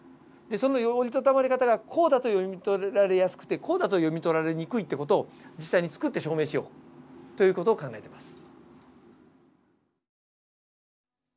その折りたたまれ方がこうだと読み取られやすくてこうだと読み取られにくいって事を実際に作って証明しようという事を考えてます。